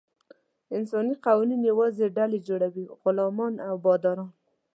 انساني قوانین یوازې ډلې جوړوي: غلامان او باداران.